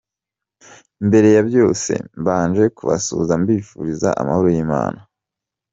Mbere ya byose mbanje kubasuhuza mbifuriza amahoro y’Imana.